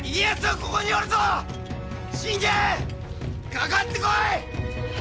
かかってこい！